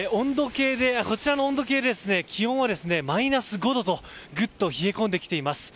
温度計で気温はマイナス５度とぐっと冷え込んできています。